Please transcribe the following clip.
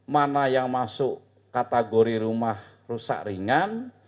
mana yang masuk kategori rumah rusak ringan